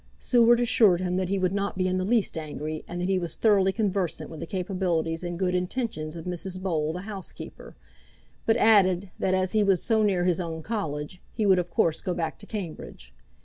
Seward assured him that he would not be in the least angry, and that he was thoroughly conversant with the capabilities and good intentions of Mrs. Bole the housekeeper; but added, that as he was so near his own college, he would of course go back to Cambridge.